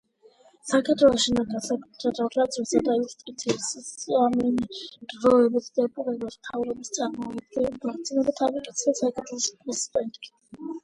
საქართველოს შინაგან საქმეთა, თავდაცვისა და იუსტიციის სამინისტროების დებულებებს მთავრობის წარდგინებით, ბრძანებულებით ამტკიცებს საქართველოს პრეზიდენტი.